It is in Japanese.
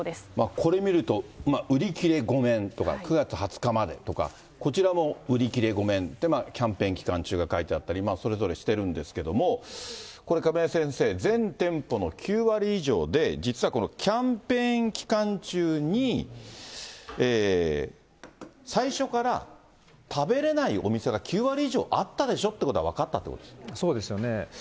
これ見ると、売り切れごめんとか、９月２０日までとか、こちらも売り切れごめんと、キャンペーン期間中が書いてあったり、それぞれしてるんですけれども、これ亀井先生、全店舗の９割以上で、実はこのキャンペーン期間中に、最初から食べれないお店が９割以上あったでしょってことが分かっそうですよね。